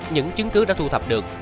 những chứng cứ đã thu thập được